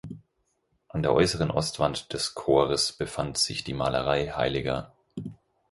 An der äußeren Ostwand des Chores befand sich die Malerei hl.